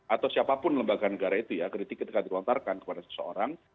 atau siapapun lembaga negara itu ya kritik ketika dilontarkan kepada seseorang